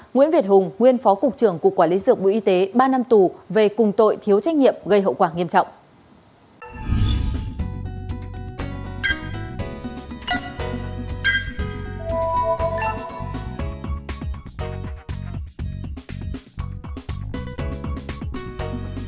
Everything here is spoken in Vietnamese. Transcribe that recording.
nguyễn việt hùng nguyên phó cục trưởng cục quản lý dược bộ y tế ba năm tù về cùng tội thiếu trách nhiệm gây hậu quả nghiêm trọng